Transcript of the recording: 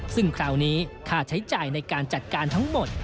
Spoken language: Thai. ซึ่งคราวนี้ค่าใช้จ่ายในการจัดการทั้งหมด